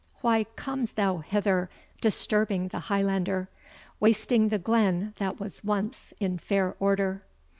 Why comes thou hither, disturbing the Highlander, Wasting the glen that was once in fair order?